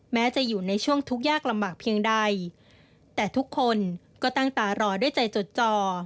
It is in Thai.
แม้จะอยู่ในช่วงทุกข์ยากลำบากเพียงใดแต่ทุกคนก็ตั้งตารอด้วยใจจดจ่อ